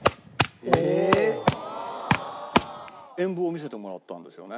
演武を見せてもらったんですよね。